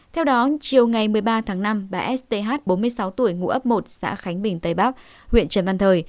theo đó chiều ngày một mươi ba tháng năm bà s t h bốn mươi sáu tuổi ngũ ấp một xã khánh bình tây bắc huyện trần văn thời